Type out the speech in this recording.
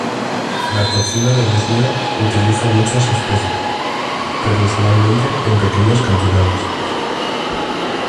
La cocina de Bosnia utiliza muchas especias, pero usualmente en pequeñas cantidades.